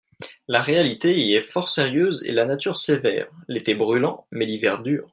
La réalité y est fort sérieuse et la nature sévère, l'été brûlant, mais l'hiver dur.